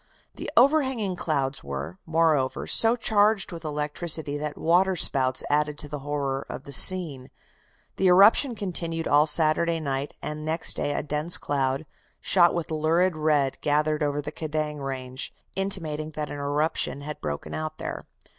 The overhanging clouds were, moreover, so charged with electricity that water spouts added to the horror of the scene. The eruption continued all Saturday night, and next day a dense cloud, shot with lurid red, gathered over the Kedang range, intimating that an eruption had broken out there.